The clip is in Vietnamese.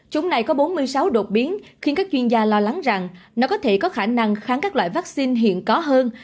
chúng này có bốn mươi sáu đột biến khiến các chuyên gia lo lắng rằng nó có thể có khả năng kháng các loại vaccine hiện có hơn